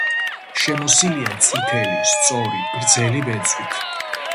შემოსილია წითელი, სწორი, გრძელი ბეწვით.